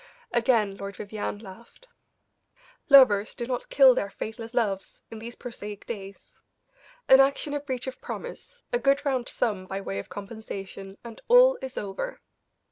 Again Lord Vivianne laughed. "Lovers do not kill their faithless loves in these prosaic days. An action of breach of promise, a good round sum by way of compensation, and all is over."